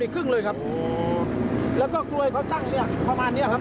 ครึ่งเลยครับแล้วก็กล้วยเขาตั้งเนี่ยประมาณเนี้ยครับ